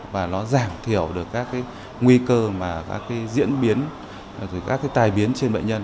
và nó giảm thiểu được các nguy cơ các diễn biến các tài biến trên bệnh nhân